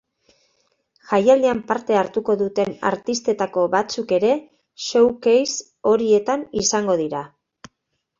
Jaialdian parte hartuko duten artistetako batzuk ere showcase horietan izango dira.